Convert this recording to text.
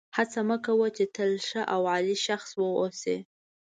هڅه مه کوه چې تل ښه او عالي شخص واوسې.